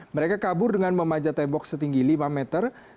mereka kabur dengan memanjat tembok setinggi lima meter